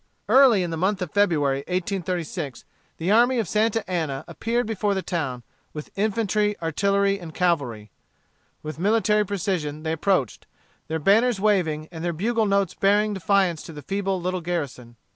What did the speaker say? Early in the month of February, 1836, the army of Santa Anna appeared before the town, with infantry, artillery, and cavalry. With military precision they approached, their banners waving, and their bugle notes bearing defiance to the feeble little garrison.